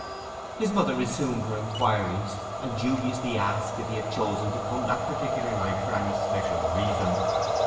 His mother resumed her inquiries, and dubiously asked if he had chosen to come that particular night for any special reason.